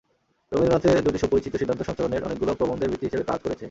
রবীন্দ্রনাথের দুটি সুপরিচিত সিদ্ধান্ত সঞ্চরণ-এর অনেকগুলো প্রবন্ধের ভিত্তি হিসেবে কাজ করেছে।